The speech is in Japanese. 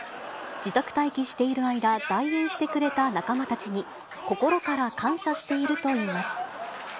自宅待機している間、代演してくれた仲間たちに、心から感謝しているといいます。